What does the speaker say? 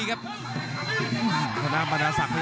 รับทราบบรรดาศักดิ์